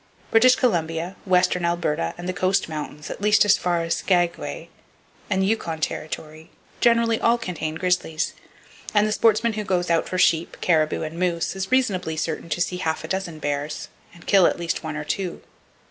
British Columbia, western Alberta and the coast mountains at least as far as Skaguay, and Yukon Territory generally, all contain grizzlies, and the sportsman who goes out for sheep, caribou and moose is reasonably certain to see half a dozen bears and kill at least one or two.